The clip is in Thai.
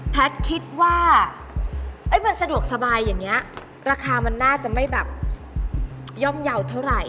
คิดว่ามันสะดวกสบายอย่างนี้ราคามันน่าจะไม่แบบย่อมเยาว์เท่าไหร่